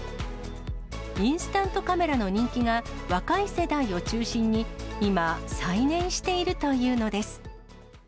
インスタントカメラの人気が若い世代を中心に今、再燃しているというのです。